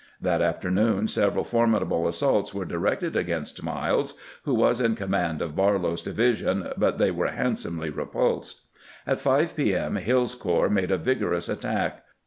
That afternoon several formidable assaults were directed against Miles, who was in command of Barlow's division, but they were handsomely repulsed. At 5 p. m. Hill's corps made a vigorous attack.